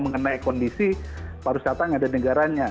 mengenai kondisi pariwisata yang ada di negaranya